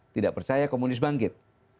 tidak percaya komunis bangkit